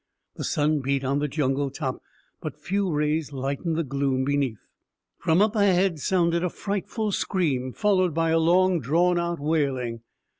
The sun beat on the jungle top, but few rays lightened the gloom beneath. From up ahead sounded a frightful scream, followed by a long drawn out wailing.